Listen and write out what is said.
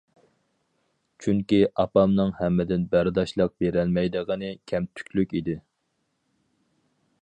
چۈنكى ئاپامنىڭ ھەممىدىن بەرداشلىق بېرەلمەيدىغىنى كەمتۈكلۈك ئىدى.